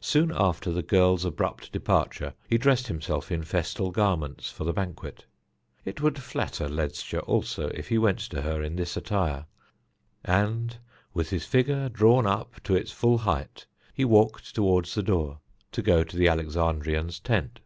Soon after the girl's abrupt departure he dressed himself in festal garments for the banquet. It would flatter Ledscha also if he went to her in this attire and, with his figure drawn up to its full height, he walked toward the door to go to the Alexandrian's tent.